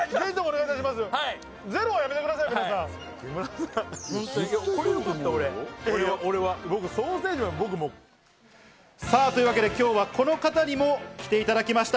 いっぱい来ると思うよ。というわけで今日はこの方にも来ていただきました。